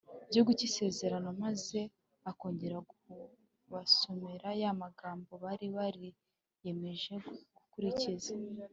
Gihugu cy Isezerano maze akongera kubasomera ya magambo bari bariyemeje gukurikiza